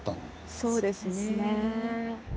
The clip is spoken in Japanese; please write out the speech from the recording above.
そうですね。